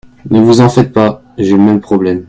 Ne vous en faites pas. J'ai le même problème.